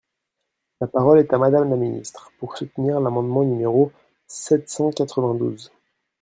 La parole est à Madame la ministre, pour soutenir l’amendement numéro sept cent quatre-vingt-douze.